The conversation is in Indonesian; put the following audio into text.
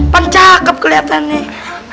pan cakep keliatan nih